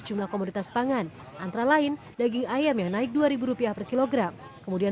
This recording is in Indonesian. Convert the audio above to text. jumlah komoditas pangan antara lain daging ayam yang naik dua ribu rupiah per kilogram kemudian